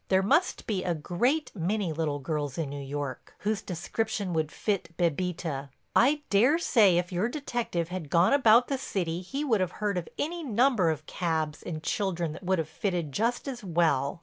There must be a great many little girls in New York whose description would fit Bébita. I dare say if your detective had gone about the city he would have heard of any number of cabs and children that would have fitted just as well.